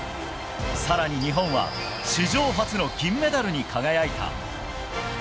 更に、日本は史上初の銀メダルに輝いた。